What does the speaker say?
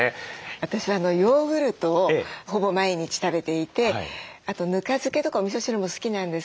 私はヨーグルトをほぼ毎日食べていてあとぬか漬けとかおみそ汁も好きなんですけど